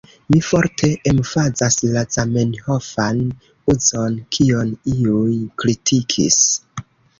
Mi forte emfazas la Zamenhofan uzon, kion iuj kritikis.